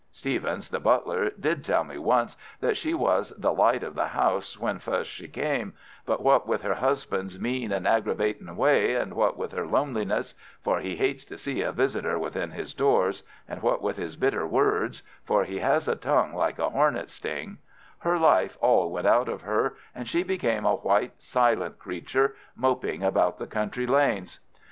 Stephens, the butler, did tell me once that she was the light of the house when fust she came, but what with her husband's mean and aggravatin' way, and what with her loneliness—for he hates to see a visitor within his doors; and what with his bitter words—for he has a tongue like a hornet's sting, her life all went out of her, and she became a white, silent creature, moping about the country lanes.